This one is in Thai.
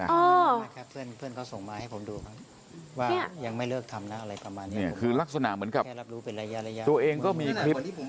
นี่คือลักษณะเหมือนกับตัวเองก็มีคลิป